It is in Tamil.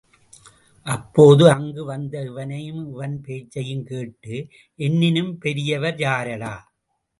அப்போது அங்கு வந்த இவனையும், இவன் பேச்சையும் கேட்டு, என்னினும் பெரியவர் யாரடா?